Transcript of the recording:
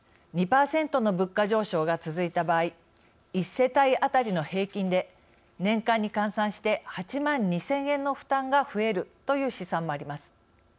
２％の物価上昇が続いた場合１世帯当たりの平均で年間に換算して８万２０００円の負担が増えるという試算もあります。